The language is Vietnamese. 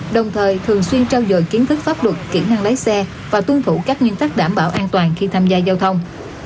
đồng thời thường xuyên trao dồi kiến thức pháp luật kỹ năng lái xe và tuân thủ các nguyên tắc đảm bảo an toàn khi tham gia giao thông